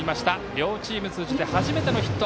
両チーム通じて初めてのヒット。